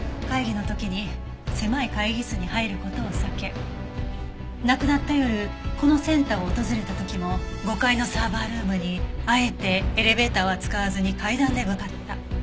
会議の時に狭い会議室に入る事を避け亡くなった夜このセンターを訪れた時も５階のサーバールームにあえてエレベーターは使わずに階段で向かった。